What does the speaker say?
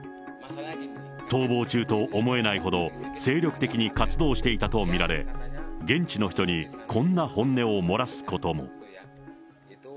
逃亡中と思えないほど精力的に活動していたと見られ、現地の人に、こんな本音を漏らすことも。